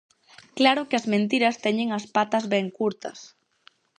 Claro que as mentiras teñen as patas ben curtas.